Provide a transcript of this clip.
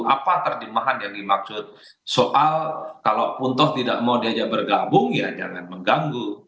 apa terjemahan yang dimaksud soal kalau pun toh tidak mau diajak bergabung ya jangan mengganggu